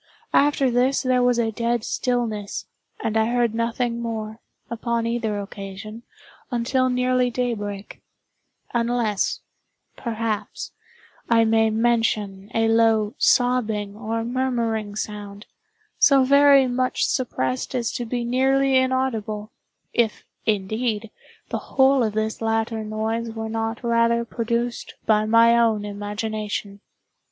After this there was a dead stillness, and I heard nothing more, upon either occasion, until nearly daybreak; unless, perhaps, I may mention a low sobbing, or murmuring sound, so very much suppressed as to be nearly inaudible—if, indeed, the whole of this latter noise were not rather produced by my own imagination.